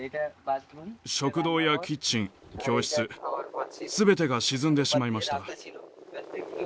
食堂やキッチン教室全てが沈んでしまいました。